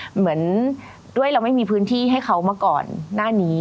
เหมือนด้วยเราไม่มีพื้นที่ให้เขามาก่อนหน้านี้